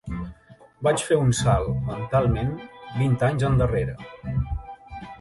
Vaig fer un salt, mentalment, vint anys endarrere